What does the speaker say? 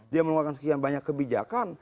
dia mengeluarkan sekian banyak kebijakan